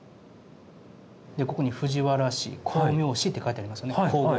ここに「藤原氏光明子」って書いてありますよね。